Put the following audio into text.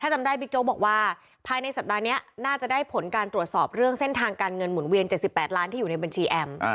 จำได้บิ๊กโจ๊กบอกว่าภายในสัปดาห์นี้น่าจะได้ผลการตรวจสอบเรื่องเส้นทางการเงินหมุนเวียน๗๘ล้านที่อยู่ในบัญชีแอม